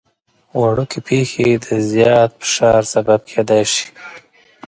وړوکي پېښې د زیات فشار سبب کېدای شي.